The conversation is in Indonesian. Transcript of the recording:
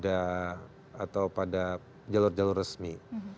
atau pada jalur jalur resmi